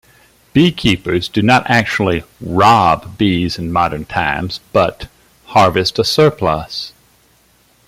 Beekeepers do not actually "rob" bees in modern times, but "harvest a surplus.